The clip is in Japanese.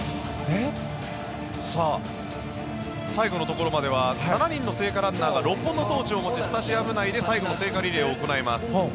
さあ、最後のところまでは７人の聖火ランナーがトーチを持ち、スタジアム内で最後のトーチを行います。